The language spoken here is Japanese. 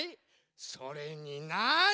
それになに？